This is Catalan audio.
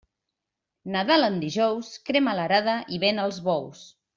Nadal en dijous, crema l'arada i ven els bous.